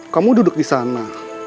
kamu duduk disana